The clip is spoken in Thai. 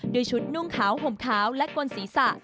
ด้วยชุดนุ่งขาวห่มขาวและกลศีรษะ